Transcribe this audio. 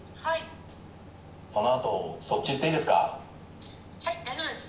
このあと、そっち行っていいはい、大丈夫です。